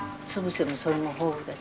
それも豊富だし。